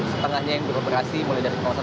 setengahnya yang beroperasi mulai dari kawasan